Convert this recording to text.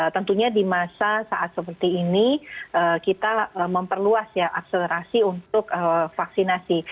tentunya di masa saat seperti ini kita memperluas ya akselerasi untuk vaksinasi